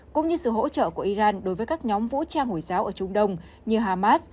cũng như sự hỗ trợ của iran đối với các nhóm vũ trang hồi giáo ở trung đông như hamas